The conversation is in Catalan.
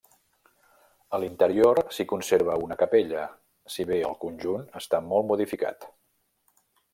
A l'interior s'hi conserva una capella, si bé el conjunt està molt modificat.